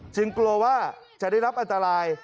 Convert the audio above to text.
กลัวว่าจะได้รับอันตราย